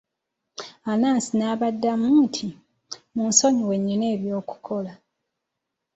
Anansi n'abaddamu nti, munsonyiwe nnina eby'okukola.